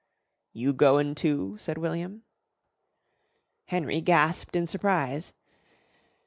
"You goin' too?" said William. Henry gasped in surprise.